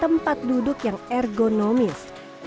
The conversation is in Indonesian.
tempat duduk yang ergonomis